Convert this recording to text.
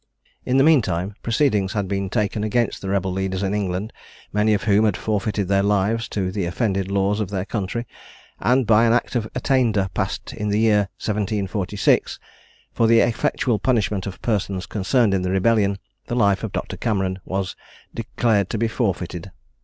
In the meantime proceedings had been taken against the rebel leaders in England, many of whom had forfeited their lives to the offended laws of their country, and by an act of attainder passed in the year 1746, for the effectual punishment of persons concerned in the rebellion, the life of Doctor Cameron was declared to be forfeited.